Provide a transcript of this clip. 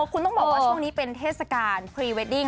คุณต้องบอกว่าช่วงนี้เป็นเทศกาลพรีเวดดิ้ง